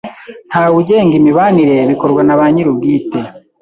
nta wugenga imibanire bikorwa na banyiri ubwite